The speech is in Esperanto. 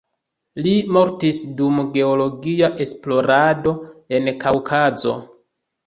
Li mortis dum geologia esplorado en Kaŭkazo.